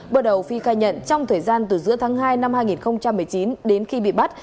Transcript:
bước đầu phi khai nhận trong thời gian từ giữa tháng hai năm hai nghìn một mươi chín đến khi bị bắt